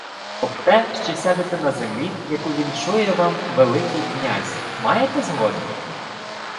— Об те, що сядете на землі, яку віншує вам Великий князь. Маєте згоду?